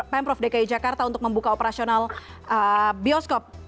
pemprov dki jakarta untuk membuka operasional bioskop